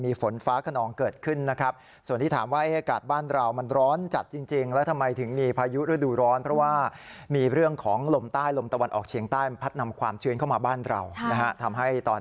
มีฝนฟ้ากนองเกิดขึ้นนะครับส่วนที่ถามว่า